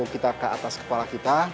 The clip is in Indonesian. kita ke atas kepala kita